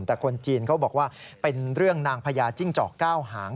แต่คนจีนเขาบอกว่าเป็นเรื่องนางพญาจิ้งจอกเก้าหาง